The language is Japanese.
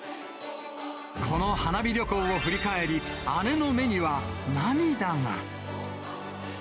この花火旅行を振り返り、姉の目には涙が。